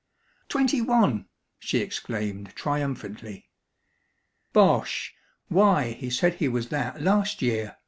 "Twenty one!" she exclaimed triumphantly. "Bosh! Why, he said he was that last year!"